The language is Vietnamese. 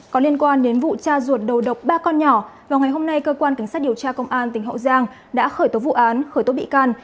có liên quan đến vụ cha ruột đầu độc ba con nhỏ vào ngày hôm nay cơ quan cảnh sát điều tra công an tỉnh hậu giang đã khởi tố vụ án khởi tố bị can